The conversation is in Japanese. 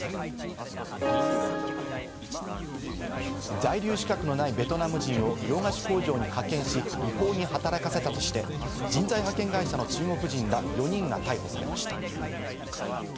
在留資格のないベトナム人を洋菓子工場に派遣し、違法に働かせたとして、人材派遣会社の中国人ら４人が逮捕されました。